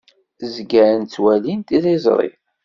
Zgan ttwalin tiliẓri.